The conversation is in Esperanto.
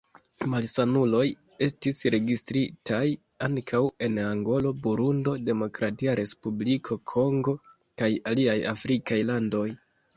Malsanuloj estis registritaj ankaŭ en Angolo, Burundo, Demokratia Respubliko Kongo kaj aliaj afrikaj landoj.